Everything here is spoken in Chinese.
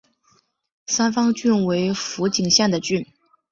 三方郡为福井县的郡。